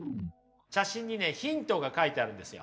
写真にねヒントが書いてあるんですよ。